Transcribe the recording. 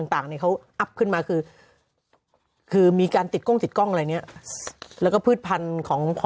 ต่างเนี่ยเขาอัพขึ้นมาคือคือมีการติดกล้องติดกล้องอะไรเนี่ยแล้วก็พืชพันธุ์ของพอ